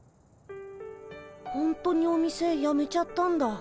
ほんとにお店やめちゃったんだ。